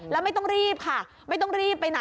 แล้วไม่ต้องรีบค่ะไม่ต้องรีบไปไหน